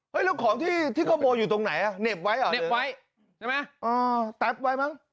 มันมาแล้ว